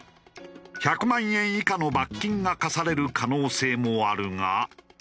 １００万円以下の罰金が科される可能性もあるが。